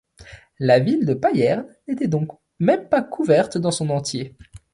La ville de Payerne n'était donc même pas couverte dans son entier.